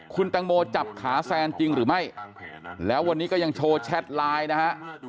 คุณตังโมจับขาแซนจริงหรือไม่แล้ววันนี้ก็ยังโชว์แชทไลน์นะฮะ